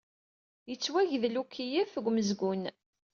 Yettwagdel ukeyyef deg umezgun.